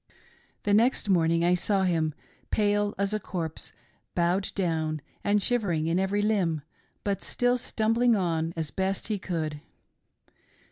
The next morning I saw him, pale as a corpse, bowed down, and shivering in every limb, but still stumbling on as best he could.